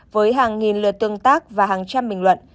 với hàng nghìn lượt tương tác và hàng trăm bình luận